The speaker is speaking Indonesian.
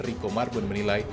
riko marbon menilai